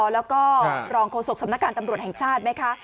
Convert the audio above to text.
แล้วก็รองโฆษกสำนักการตำรวจแห่งชาติไหมคะ